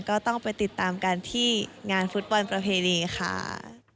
ก็ต้องไปติดตามกันที่งานฟุตบอลประเพณีค่ะ